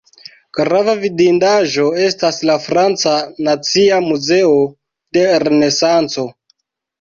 Grava vidindaĵo estas la franca nacia muzeo de renesanco.